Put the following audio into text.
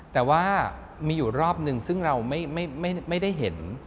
แต่ว่ามีอยู่รอบนึงซึ่งเราไม่ได้เห็น